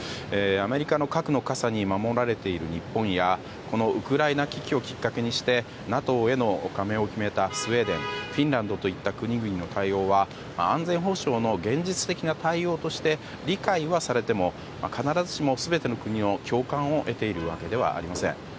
アメリカの核の傘に守られている日本やこのウクライナ危機をきっかけにしてＮＡＴＯへの加盟を決めたスウェーデンフィンランドといった国々の対応は安全保障の現実的な対応として理解はされても、必ずしも全ての国の共感を得ている訳ではありません。